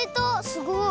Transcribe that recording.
すごい。